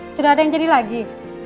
sudah ada yang jadi lagi